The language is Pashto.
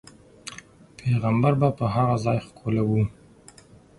پیغمبر به په هغه ځاې ښکلو.